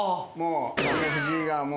藤井がもう。